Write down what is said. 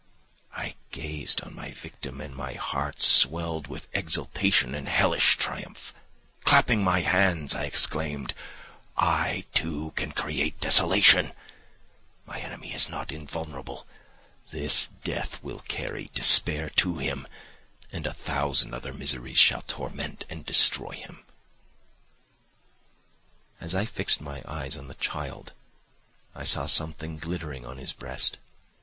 "I gazed on my victim, and my heart swelled with exultation and hellish triumph; clapping my hands, I exclaimed, 'I too can create desolation; my enemy is not invulnerable; this death will carry despair to him, and a thousand other miseries shall torment and destroy him.' "As I fixed my eyes on the child, I saw something glittering on his breast.